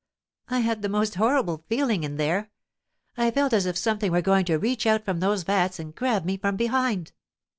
'I had the most horrible feeling in there! I felt as if something were going to reach out from those vats and grab me from behind.